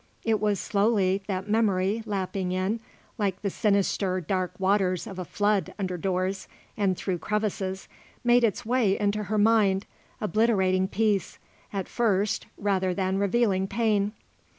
It was slowly that memory, lapping in, like the sinister, dark waters of a flood under doors and through crevices, made its way into her mind, obliterating peace, at first, rather than revealing pain.